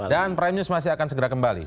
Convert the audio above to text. dan prime news masih akan segera kembali